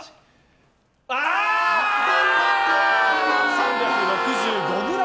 ３６５ｇ。